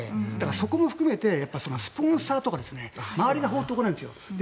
そこも含めてスポンサーとか周りが放っておかないんですよ。